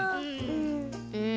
うん。